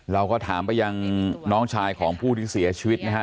เราก็ถามไปยังน้องชายของผู้ที่เสียชีวิตนะฮะ